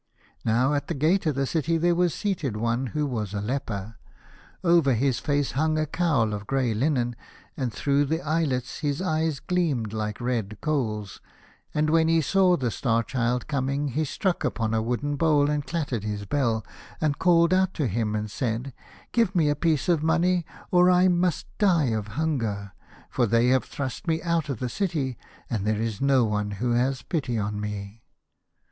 Now at the gate of the city there was seated one who was a leper. Over his face hung a cowl of grey linen, and through the eyelets his eyes gleamed like red coals. And when he saw the Star Child coming, he struck upon a wooden bowl, and clattered his bell, and called out to him, and said, " Give me a piece of money, or I must die of hunger. For they have thrust me out of the city, and there is no one who has pity on me."